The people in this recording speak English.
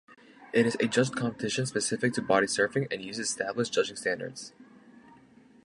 It is a judged competition specific to Bodysurfing and uses established judging standards.